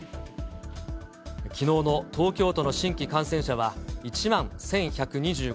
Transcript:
きのうの東京都の新規感染者は１万１１２５人。